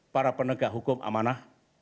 para penegak hukum amanah